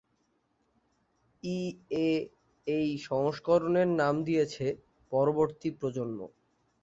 ইএ এই সংস্করণের নাম দিয়েছে "পরবর্তী-প্রজন্ম"।